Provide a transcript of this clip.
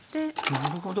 なるほど。